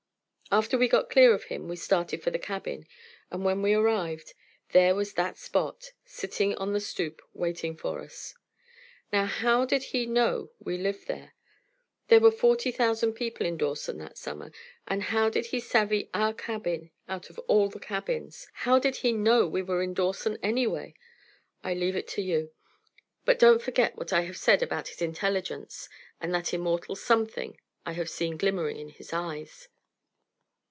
After we got clear of him, we started for the cabin, and when we arrived, there was that Spot sitting on the stoop waiting for us. Now how did he know we lived there? There were forty thousand people in Dawson that summer, and how did he savvy our cabin out of all the cabins? How did he know we were in Dawson, anyway? I leave it to you. But don't forget what I have said about his intelligence and that immortal something I have seen glimmering in his eyes.